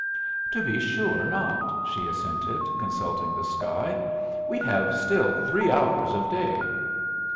"To be sure not," she assented, consulting the sky. "We have still three hours of day."